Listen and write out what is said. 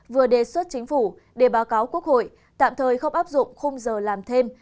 vừa đề xuất chính phủ để báo cáo quốc hội tạm thời không áp dụng khung giờ làm thêm